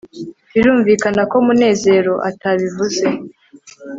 birumvikana ko munezero atabivuze